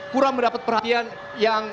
kurang mendapat perhatian yang